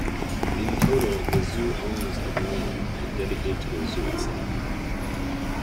In total, the zoo owns of land, with dedicated to the zoo itself.